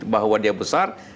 bahwa dia besar